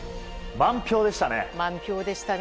満票でしたね。